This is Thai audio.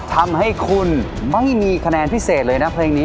ทำให้คุณไม่มีคะแนนพิเศษเลยนะเพลงนี้